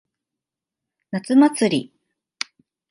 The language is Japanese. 夏祭り。